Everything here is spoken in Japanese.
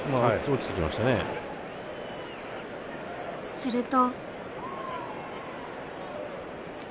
すると。